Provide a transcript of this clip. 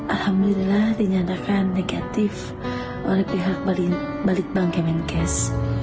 alhamdulillah dinyatakan negatif oleh pihak balitbank kemenkes